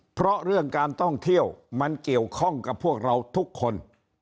เพราะเรื่องการท่องเที่ยวมันเกี่ยวข้องกับพวกเราทุกคน